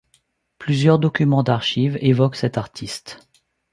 Plusieurs documents d'archives évoquent cet artiste.